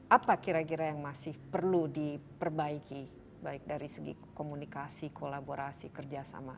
apa kira kira yang masih perlu diperbaiki baik dari segi komunikasi kolaborasi kerjasama